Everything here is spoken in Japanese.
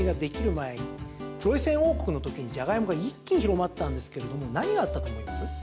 前プロイセン王国の時にジャガイモが一気に広まりまったんですけど何があったと思います？